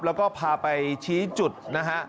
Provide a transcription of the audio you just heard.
แล้วก็พาไปชี้จุดนะฮะ